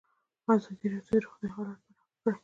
ازادي راډیو د روغتیا حالت په ډاګه کړی.